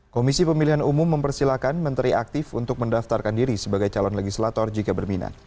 komisi pemilihan umum mempersilahkan menteri aktif untuk mendaftarkan diri sebagai calon legislator jika berminat